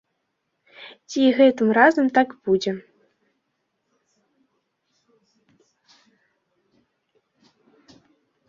Ці і гэтым разам так будзе?